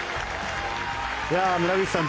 村口さん